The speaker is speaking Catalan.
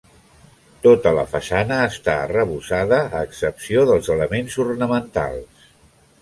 Tota la façana està arrebossada a excepció dels elements ornamentals.